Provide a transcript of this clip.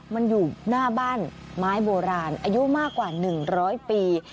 มันอยู่หน้าบ้านไม้โบราณอายุมากกว่า๑๐๐ปี